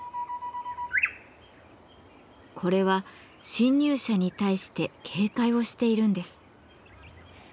これは侵入者に対して警戒をしているんです。